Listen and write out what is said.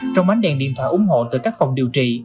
trong ánh đèn điện thoại ủng hộ từ các phòng điều trị